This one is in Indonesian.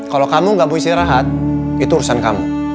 kalau kamu nggak mesti rehat itu urusan kamu